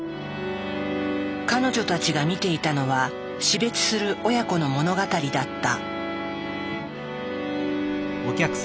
彼女たちが見ていたのは死別する親子の物語だった。